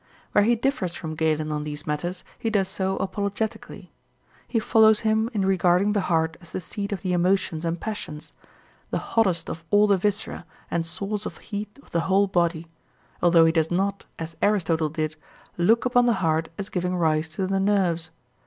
Where he differs from Galen on these matters he does so apologetically. He follows him in regarding the heart as the seat of the emotions and passions the hottest of all the viscera and source of heat of the whole body; although he does not, as Aristotle did, look upon the heart as giving rise to the nerves.